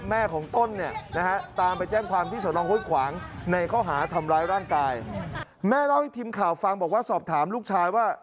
แม่เล่าให้ทีมข่าวฟังบอกว่าสอบถามลูกชายว่า